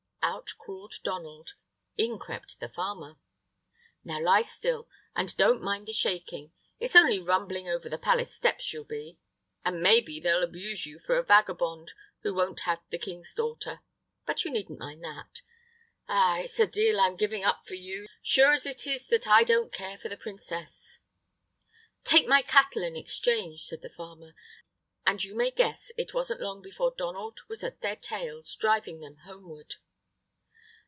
Out crawled Donald; in crept the farmer. "Now lie still, and don't mind the shaking; it's only rumbling over the palace steps you'll be. And maybe they'll abuse you for a vagabond, who won't have the king's daughter; but you needn't mind that. Ah, it's a deal I'm giving up for you, sure as it is that I don't care for the princess." "Take my cattle in exchange," said the farmer; and you may guess it wasn't long before Donald was at their tails, driving them homeward.